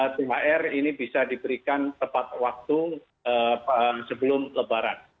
thr ini bisa diberikan tepat waktu sebelum lebaran